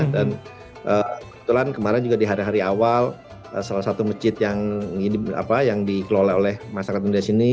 dan kebetulan kemarin juga di hari hari awal salah satu masjid yang dikelola oleh masyarakat indonesia ini